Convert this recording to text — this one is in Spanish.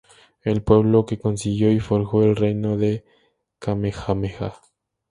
El pueblo que consiguió y forjó el Reino de Kamehameha.